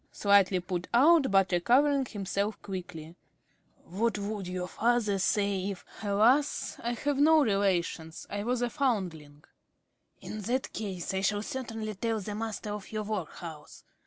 ~Smith~ (slightly put out, but recovering himself quickly). What would your father say if ~Jones.~ Alas, I have no relations. I was a foundling. ~Smith~ (nettled). In that case I shall certainly tell the master of your workhouse.